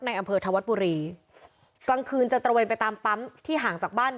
อำเภอธวัฒน์บุรีกลางคืนจะตระเวนไปตามปั๊มที่ห่างจากบ้าน